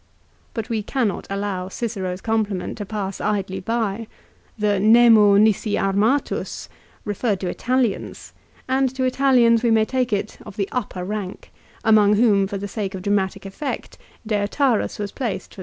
But we cannot allow Cicero's com pliment to pass idly by. The " nemo nisi armatus " referred to Italians, and to Italians, we may take it, of the upper rank, among whom for the sake of dramatic effect Deiotarus was placed for the occasion.